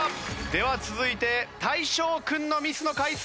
では続いて大昇君のミスの回数は？